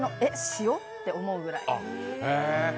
塩？って思うぐらい。